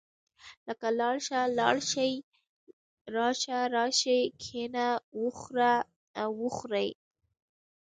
لکه لاړ شه، لاړ شئ، راشه، راشئ، کښېنه، وخوره او وخورئ.